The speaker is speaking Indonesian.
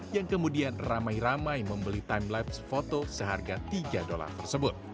yang kemudian ramai ramai membeli timelibes foto seharga tiga dolar tersebut